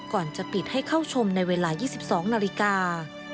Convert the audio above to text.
ก่อนจะปิดให้เข้าชมในเวลา๒๒นาฬิกา